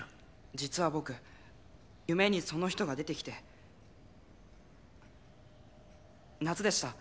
実は僕夢にその人が出てきて夏でした